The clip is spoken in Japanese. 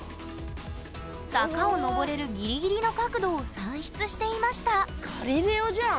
坂をのぼれるギリギリの角度を算出していましたガリレオじゃん。